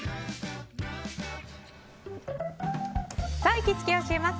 行きつけ教えます！